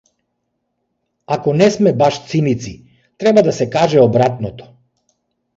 Ако не сме баш циници, треба да се каже обратното.